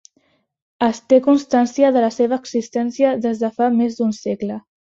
Es té constància de la seva existència des de fa més d'un segle.